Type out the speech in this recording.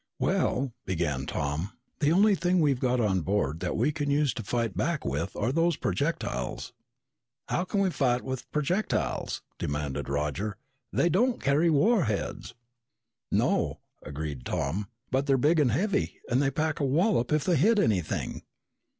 "Well," began Tom, "the only thing we've got on board that we can use to fight back with are those projectiles." "How can we fight with projectiles?" demanded Roger. "They don't carry warheads!" "No," agreed Tom. "But they're big and heavy. They pack a wallop if they hit anything."